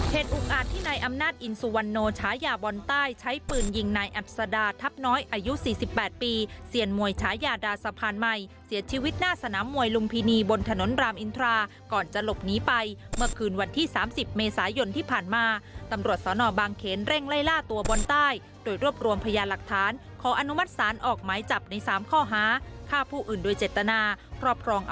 เหตุอุงอาจที่ในอำนาจอินสุวันโนชายาบนใต้ใช้ปืนยิงในแอปซาดาทับน้อยอายุสี่สิบแปดปีเสียงมวยชายาดาสะพานใหม่เสียชีวิตหน้าสนามมวยลุงพินีบนถนนรามอินทราก่อนจะหลบหนีไปเมื่อคืนวันที่สามสิบเมษายนที่ผ่านมาตำรวจสนบางเขนเร่งไล่ล่าตัวบนใต้โดยรวบรวมพยาหลักฐานขออนุมัติศาล